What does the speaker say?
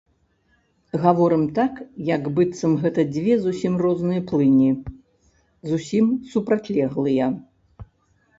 Гаворым так, як быццам гэта дзве зусім розныя плыні, зусім супрацьлеглыя.